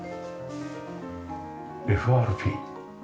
ＦＲＰ。